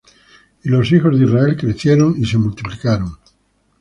Y los hijos de Israel crecieron, y multiplicaron.